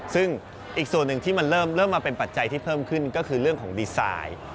ซึ่งอีกส่วนหนึ่งที่มันเริ่มมาเป็นปัจจัยที่เพิ่มขึ้นก็คือเรื่องของดีไซน์